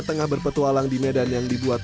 tengah berpetualang di medan yang dibuat